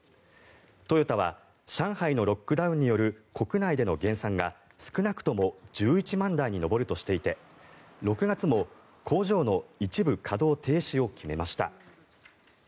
トヨタは上海のロックダウンによる国内での減産が少なくとも１１万台に上るとしていて６月も工場の一部稼働停止を決めました。